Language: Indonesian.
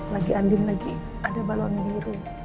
lagi anjing lagi ada balon biru